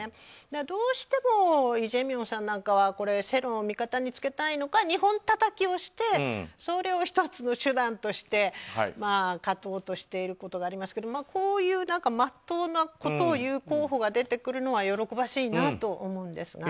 どうしてもイ・ジェミョンさんなんかは世論を味方につけたいのか日本たたきをしてそれを１つの手段として勝とうとしているのがありますけどこういう、まっとうなことを言う候補が出てくるのは喜ばしいなと思うんですが。